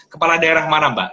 kepala daerah mana mbak